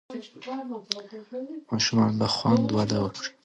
ماشومان به خوندي وده وکړي.